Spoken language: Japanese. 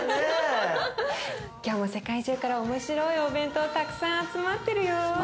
今日も世界中から面白いお弁当たくさん集まってるよ。